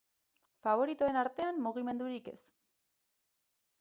Faboritoen artean, mugimendurik ez.